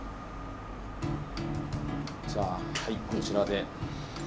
じゃあこちらで。